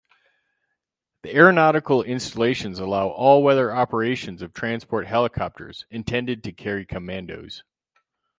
The aeronautical installations allow all-weather operations of transport helicopters, intended to carry commandos.